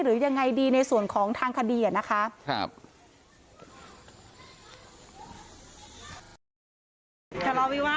หรือยังไงดีในส่วนของทางคดีนะคะ